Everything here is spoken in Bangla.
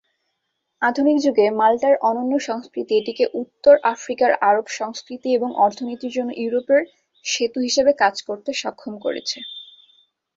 আধুনিক যুগে, মাল্টার অনন্য সংস্কৃতি এটিকে উত্তর আফ্রিকার আরব সংস্কৃতি এবং অর্থনীতির জন্য ইউরোপের "সেতু" হিসেবে কাজ করতে সক্ষম করেছে।